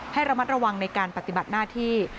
ให้ระมัดระวังในการปฏิบัติหน้าที่